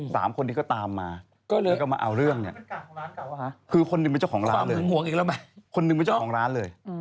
สามคนนี้ก็ตามมาแล้วก็มาเอาเรื่องเนี่ยคือคนนึงไม่เจ้าของร้านเลยคนนึงไม่เจ้าของร้านเลย